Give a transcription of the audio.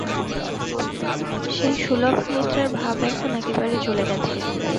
সেই সুলভ নিদ্রার ভাব এখন একেবারে চলে গেছে।